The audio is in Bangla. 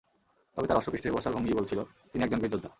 তবে তাঁর অশ্বপৃষ্ঠে বসার ভঙ্গিই বলছিল, তিনি একজন বীর যোদ্ধা।